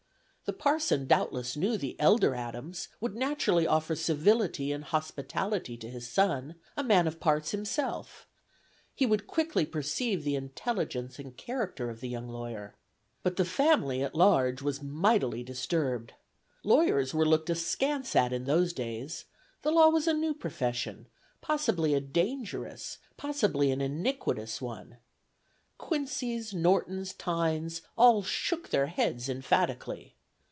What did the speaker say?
The parson doubtless knew the elder Adams, would naturally offer civility and hospitality to his son; a man of parts himself, he would quickly perceive the intelligence and character of the young lawyer. But the Family at Large was mightily disturbed. Lawyers were looked askance at in those days; the law was a new profession, probably a dangerous, possibly an iniquitous one. Quincys, Nortons, Tynes, all shook their heads emphatically.